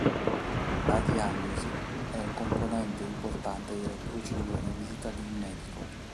La diagnosi è una componente importante della procedura di visita di un medico.